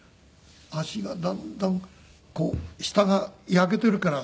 足がだんだん下が焼けてるから。